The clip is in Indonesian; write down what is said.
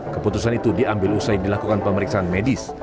keputusan itu diambil usai dilakukan pemeriksaan medis